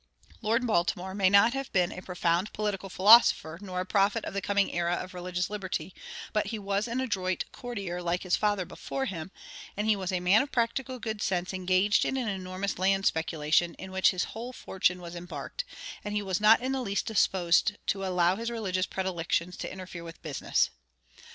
Lord Baltimore may not have been a profound political philosopher nor a prophet of the coming era of religious liberty, but he was an adroit courtier, like his father before him, and he was a man of practical good sense engaged in an enormous land speculation in which his whole fortune was embarked, and he was not in the least disposed to allow his religious predilections to interfere with business.